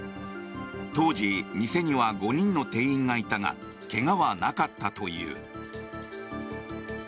当時、店には５人の店員がいたが怪我はなかったという。